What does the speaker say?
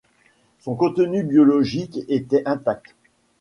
Son contenu biologique était intact.